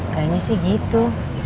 kayaknya sih gitu